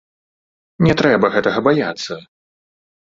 Не трэба гэтага баяцца.